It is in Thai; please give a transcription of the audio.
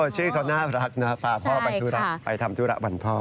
ชื่อเขาน่ารักนะพาพ่อไปธุระวันพ่อ